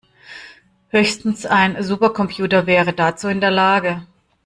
Höchstens ein Supercomputer wäre dazu in der Lage.